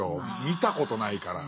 見たことないから。